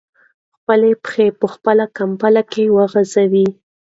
خپلې پښې په خپله کمپله کې وغځوئ.